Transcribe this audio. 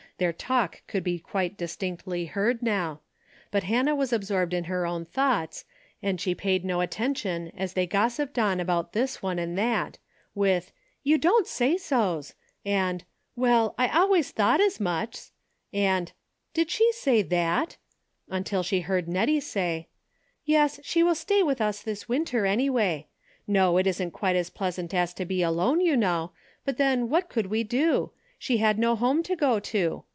Their talk could be quite distinctly heard now, but Han nah was absorbed in her own thoughts, and 88 A DAILY bate:' she paid no attention as they gossiped on about this one and that, with "You don't say SOS," and "Well, I always thought as muchs," and "Did she say thats," until she heard l^et tie say, "Yes, she will stay with us this winter anyway. No, it isn't quite as pleasant as to be alone you know, but then what could we do ? She had no home to go to.